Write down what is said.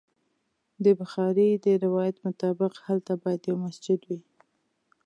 د بخاري د روایت مطابق هلته باید یو مسجد وي.